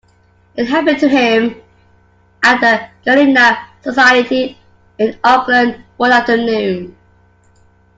It happened to him at the Gallina Society in Oakland one afternoon.